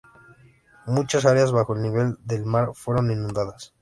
Muchas áreas bajo el nivel del mar fueron inundadas.